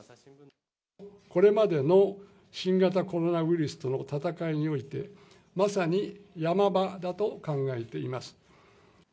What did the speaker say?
これまでの新型コロナウイルスとの戦いにおいて、まさにヤマ場だと考えています。